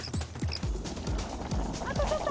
あとちょっと。